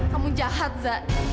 kamu jahat zak